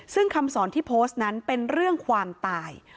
ซึ่งคำสอนที่โพสต์นั้นเป็นเรื่องความตาย